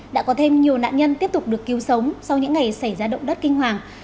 đã có thêm nhiều nạn nhân tiếp tục được cứu sống sau những ngày xảy ra động đất kinh hoàng